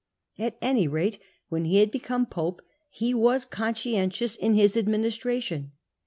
At any rate when he had become pope he was conscientious ^ in his administration.